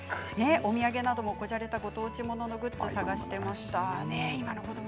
お土産なども小じゃれたご当地もののグッズを探していました。